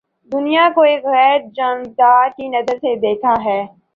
دنیا کو ایک غیر جانبدار کی نظر سے دیکھا ہے